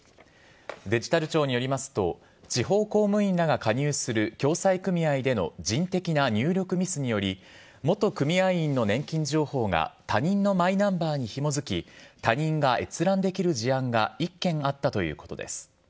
デジタル庁によりますと、地方公務員らが加入する共済組合での人的な入力ミスにより、元組合員の年金情報が、他人のマイナンバーにひも付き、他人が閲覧できる事案が１件あったということです。